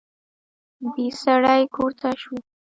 بې سړي کور تش وي